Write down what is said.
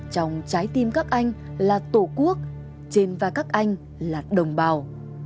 trong trái tim các anh là tổ quốc trên vai các anh là đồng bào